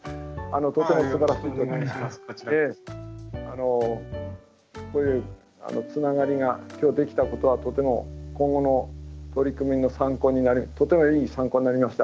とてもすばらしい取り組みでこういうつながりが今日できたことはとても今後の取り組みの参考になりとてもいい参考になりました。